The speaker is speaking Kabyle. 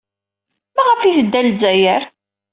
Maɣef ay tedda ɣer Lezzayer?